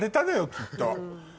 きっと。